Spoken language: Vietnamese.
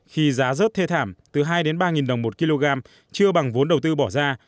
khi giá rớt thê thảm từ hai ba đồng một kg chưa bằng vốn đầu tư bỏ ra